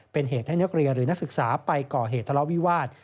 เป็นเหตุให้นักเรียนหรือนักศึกษาไปก่อเหตุทะเลาะวิวาส